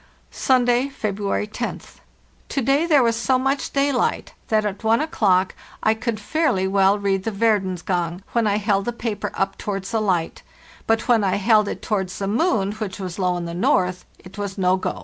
«Sunday, Vebruary moth, To day there was so much daylight that at 1 o'clock I could fairly well read the Verdens Gang, when I held the paper up towards the light ; but when I held it towards the moon, which was low in the north, it was no go.